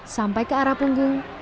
sampai ke arah punggung